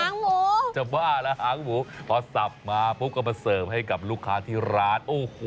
หางหมูจะว่าระหางหมูพอสับมาพบมาเสริมให้ลูกค้าที่ร้าน